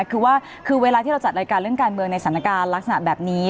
คือว่าคือเวลาที่เราจัดรายการเรื่องการเมืองในสถานการณ์ลักษณะแบบนี้